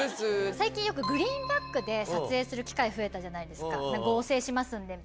最近グリーンバックで撮影する機会増えたじゃないですか合成しますんでみたいな。